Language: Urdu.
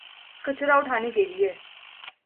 کچرا اٹھانے کے لیے۔